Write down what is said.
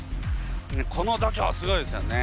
このどきょうすごいですよね。